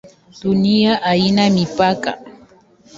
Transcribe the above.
Dunia haina mipaka?